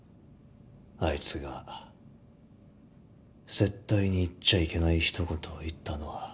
あいつが絶対に言っちゃいけない一言を言ったのは。